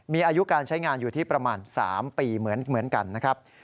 มีอายุการใช้งานอยู่ที่ประมาณ๓ปีเหมือนกันนะครับ